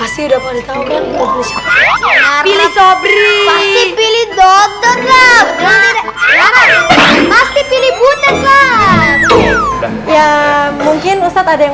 tahu siapa pasti udah tahu pilih sobrini pilih dokter pasti pilih butet ya mungkin ustadz ada yang